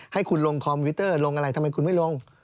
ให้คุณลงคอมพิวเตอร์ลงอะไรทำไมคุณไม่ลง